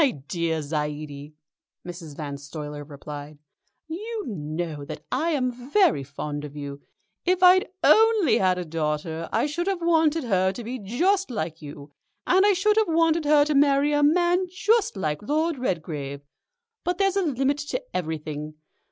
"My dear Zaidie," Mrs. Van Stuyler replied, "you know that I am very fond of you. If I'd only had a daughter I should have wanted her to be just like you, and I should have wanted her to marry a man just like Lord Redgrave. But there's a limit to everything.